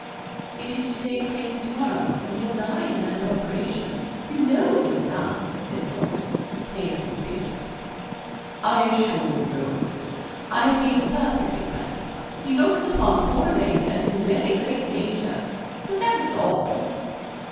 'It is to take place to morrow, and he'll die in that operation. You know he'll die,' said Dorcas, pale and fierce. 'I assure you, Dorcas, I have been perfectly frank. He looks upon poor Lake as in very great danger but that is all.'